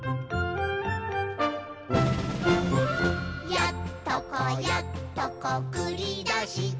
「やっとこやっとこくりだした」